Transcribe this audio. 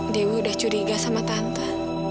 dewi udah curiga sama tante